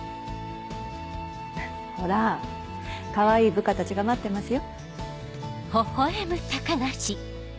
ほらかわいい部下たちが待ってますよ。